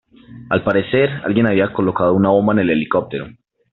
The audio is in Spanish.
Al parecer, alguien había colocado una bomba en el helicóptero.